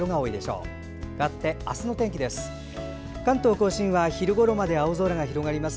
かわって、明日の天気です。